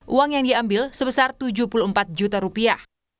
uang yang diambil sebesar tujuh puluh empat juta rupiah